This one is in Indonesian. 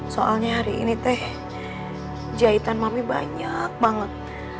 soalnya hari ini teh jahitan mami banyak banget